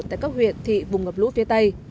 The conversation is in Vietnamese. tại các huyện thị vùng ngập lũ phía tây